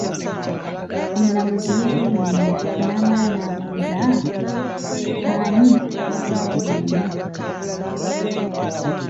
Omulamuzi ye wuunya n'amala na buuza, ani ya kugambye bino?